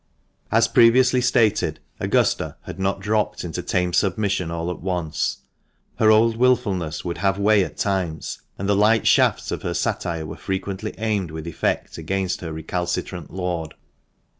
As previously stated, Augusta had not dropped into tame submission all at once ; her old wilfulness would have way at times, and the light shafts of her satire were frequently aimed with effect against her recalcitrant lord.